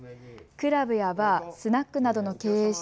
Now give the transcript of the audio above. クラブやバー、スナックなどの経営者